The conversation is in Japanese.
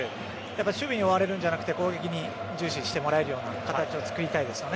守備に追われるんじゃなくて攻撃に重視してもらえるような形を作りたいですよね。